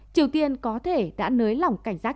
triều tiên có thể đã nới lỏng cảnh giác